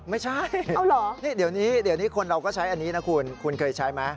ไม่ใช่เดี๋ยวนี้คุณเราก็ใช้อันนี้นะคุณคุณเคยใช้ไหม